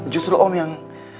justru om yang